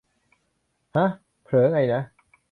ห๊ะ เผลอไงนะ